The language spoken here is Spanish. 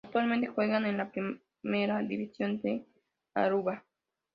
Actualmente juegan en la Primera División de Aruba.